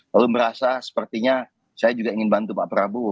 lalu merasa sepertinya saya juga ingin bantu pak prabowo